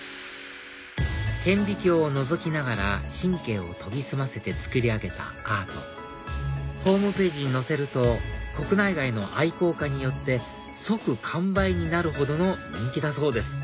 顕微鏡をのぞきながら神経を研ぎ澄ませて作り上げたアートホームページに載せると国内外の愛好家によって即完売になるほどの人気だそうです